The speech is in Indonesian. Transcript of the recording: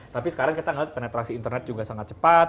tapi sekarang kita melihat penetrasi internet juga sangat cepat